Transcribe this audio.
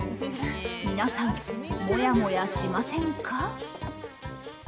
皆さん、もやもやしませんか？